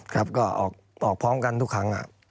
ครับก็ออกพร้อมกันทุกครั้ง